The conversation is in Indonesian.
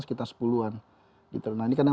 sekitar sepuluh an gitu nah ini karena